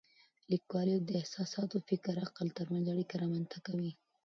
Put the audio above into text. لیکوالی د احساساتو، فکر او عقل ترمنځ اړیکه رامنځته کوي.